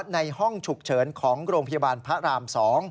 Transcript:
ในห้องฉุกเฉินของโรงพยาบาลพระราม๒